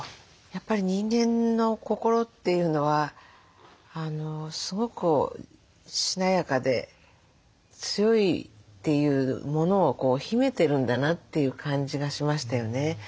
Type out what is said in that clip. やっぱり人間の心というのはすごくしなやかで強いというものを秘めてるんだなという感じがしましたよね。